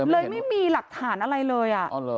ไม่มีหลักฐานอะไรเลย